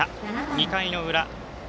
２回の裏西